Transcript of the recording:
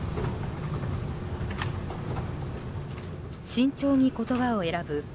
慎重に言葉を選ぶ